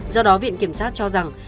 do đó viện kiểm sát cho rằng